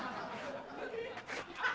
kita akan bingung